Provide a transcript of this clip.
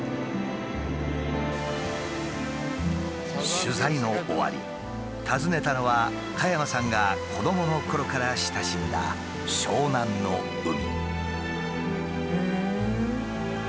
取材の終わり訪ねたのは加山さんが子どものころから親しんだ湘南の海。